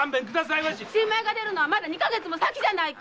新米がでるのはまだ二か月も先じゃないか！